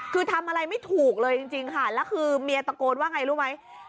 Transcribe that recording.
คือทำอะไรไม่ถูกเลยจริงค่ะแล้วคือเมียตะโกนว่าไงรู้ไหม